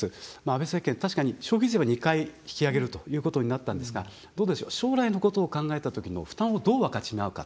安倍政権、確かに消費税は２回引き上げるということになったんですが将来のことを考えたときの負担をどう分かち合うか。